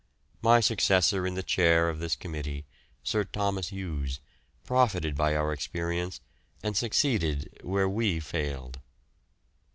My successor in the chair of this committee, Sir Thomas Hughes, profited by our experience, and succeeded where we failed.